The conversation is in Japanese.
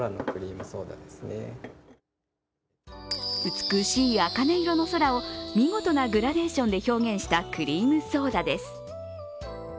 美しい茜色の空を見事なグラデーションで表現したクリームソーダです。